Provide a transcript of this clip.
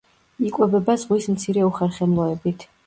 იკვებება ზღვის მცირე უხერხემლოებით.